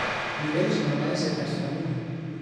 Niveles normales de Transferrina